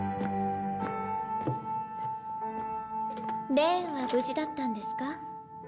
レーンは無事だったんですか？